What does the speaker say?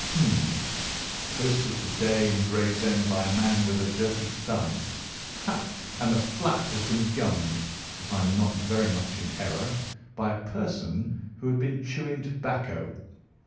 Hum! Posted to day in Gravesend by a man with a dirty thumb. Ha! And the flap has been gummed, if I am not very much in error, by a person who had been chewing tobacco.